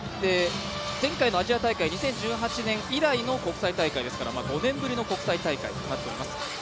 前回のアジア大会、２０１８年以来の国際大会ですから５年ぶりの国際大会となっております。